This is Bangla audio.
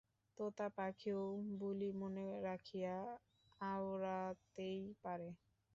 তোতাপাখিও বুলি মনে রাখিয়া আওড়াতেই পারে।